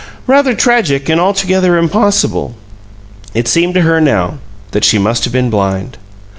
"Rather tragic and altogether impossible." It seemed to her now that she must have been blind.